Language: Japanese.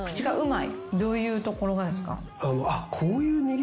どういうところがですか？